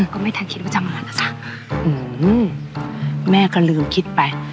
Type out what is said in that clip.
ก็ไม่ทันคิดว่าจะมานะคะแม่ก็ลืมคิดไป